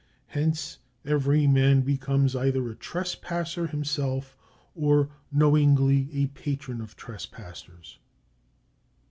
Hence every man becomes either a trespasser himself or knowingly a patron of trespassers.